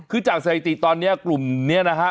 คือจากสถิติตอนนี้กลุ่มนี้นะฮะ